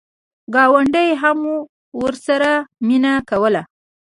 ګاونډي هم ورسره مینه کوله.